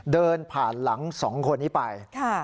เดินผ่านหลัง๒คนนี้ไป